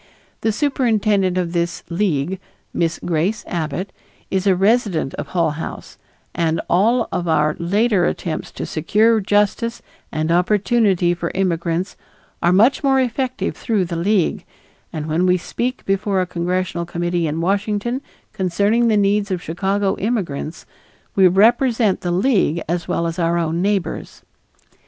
The superintendent of this League, Miss Grace Abbott, is a resident of Hull House and all of our later attempts to secure justice and opportunity for immigrants are much more effective through the League, and when we speak before a congressional committee in Washington concerning the needs of Chicago immigrants, we represent the League as well as our own neighbors.